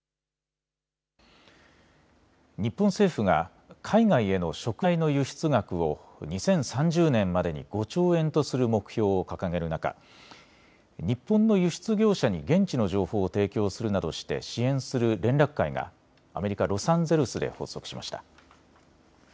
日本政府が海外への食材の輸出額を２０３０年までに５兆円とする目標を掲げる中、日本の輸出業者に現地の情報を提供するなどして支援する連絡会がアメリカ・ロサンゼルスで発足しました。